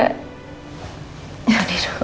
hmm tapi belum kerja